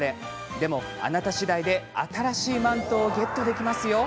でも、あなた次第で新しいマントをゲットできますよ。